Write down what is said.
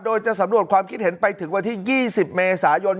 โดยจะสำรวจความคิดเห็นไปถึงวันที่๒๐เมษายน